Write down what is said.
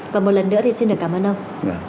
và một lần nữa thì xin được cảm ơn ông